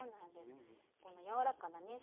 この柔らかなね